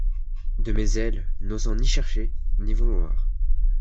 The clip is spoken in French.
De mes ailes, n’osant ni chercher, ni vouloir.